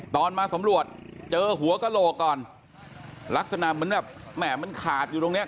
ตอนมาสำรวจเจอหัวกระโหลกก่อนลักษณะเหมือนแบบแหม่มันขาดอยู่ตรงเนี้ย